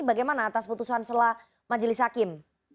bagaimana atas putusan selah majelis hakim